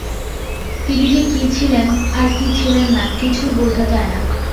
তিনি যে কি ছিলেন, আর কি ছিলেন না, কিছুই বোঝা যায় না।